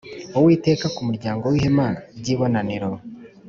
Uwiteka ku muryango w ihema ry ibonaniro